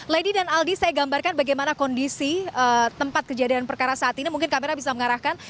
lady dan aldi saya gambarkan bagaimana kondisi tempat kejadian perkara saat ini mungkin kamera bisa mengarahkan